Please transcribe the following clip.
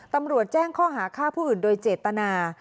ตำรวจแจ้งข้อหาฆ่าผู้อื่นโดยเจตนา